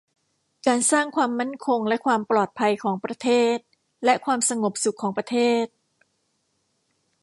การสร้างความมั่นคงและความปลอดภัยของประเทศ และความสงบสุขของประเทศ